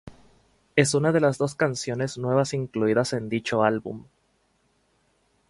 Es una de las dos canciones nuevas incluidas en dicho álbum.